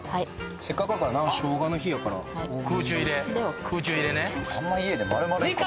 せっかくやからな生姜の日やから空中入れ空中入れねない